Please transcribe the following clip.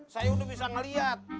saya udah bisa ngeliat